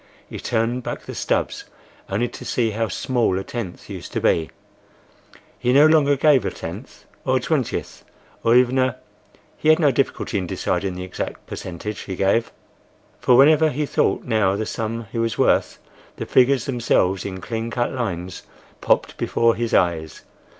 He turned back the stubs only to see how small a tenth used to be. He no longer gave a tenth or a twentieth or even a—he had no difficulty in deciding the exact percentage he gave; for whenever he thought now of the sum he was worth, the figures themselves, in clean cut lines, popped before his eyes.